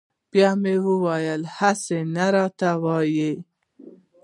بیا مې ویل هسې نه راته ووایي.